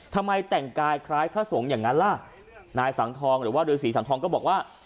ทำไมแต่งกายคล้ายพระสงฆ์อย่างนั้นล่ะนายสังทองหรือว่าฤษีสังทองก็บอกว่า